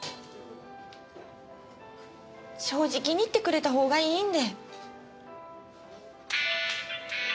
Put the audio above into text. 正直に言ってくれたほうがいいんで。